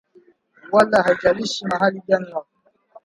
wala haijalishi mahali gani wako